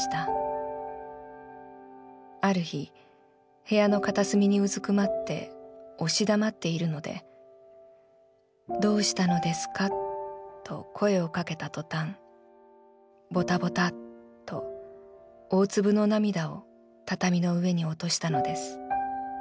ある日部屋の片隅に蹲って押し黙っているので『どうしたのですか』と声をかけた途端ボタボタと大粒の涙を畳の上に落としたのです。